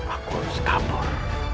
aku harus kabur